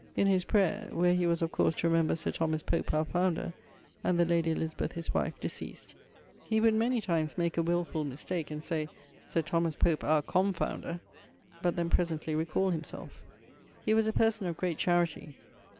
In his prayer (where he was of course to remember Sir Thomas Pope, our founder, and the lady Elizabeth his wife, deceasd), he would many times make a willfull mistake, and say, 'Sir Thomas Pope our Confounder,' but then presently recall himselfe. He was a person of great charity.